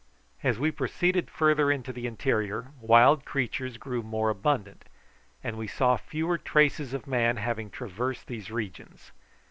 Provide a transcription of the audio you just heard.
As we proceeded farther into the interior, wild creatures grew more abundant, and we saw fewer traces of man having traversed these regions.